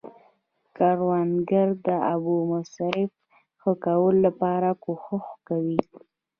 کروندګر د اوبو د مصرف ښه کولو لپاره کوښښ کوي